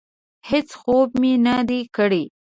هېڅ خوب مې نه دی کړی.